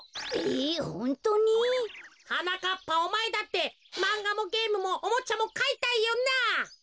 えホントに？はなかっぱおまえだってまんがもゲームもおもちゃもかいたいよな？